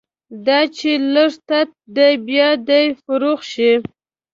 دا چې لږ تت دی، بیا دې فروغ شي